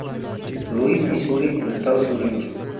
Louis, Misuri en Estados Unidos.